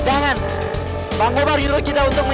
jangan kan saya tuh